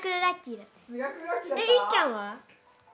いっちゃんは？